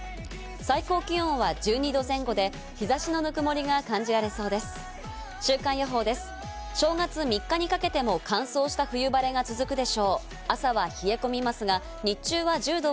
最高気温は１２度前後で日差しのぬくもりが感じられそうです。